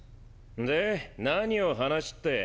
で何よ話って？